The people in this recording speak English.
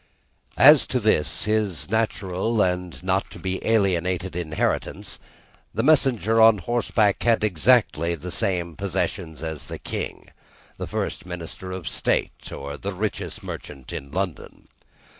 As to this, his natural and not to be alienated inheritance, the messenger on horseback had exactly the same possessions as the King, the first Minister of State, or the richest merchant in London.